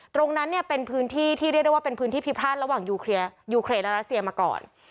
ตรงนั้นเนี่ยเป็นพื้นที่ที่เรียกได้ว่าเป็นพื้นที่พิพลาดระหว่างยูเครนและรัสเซียมาก่อน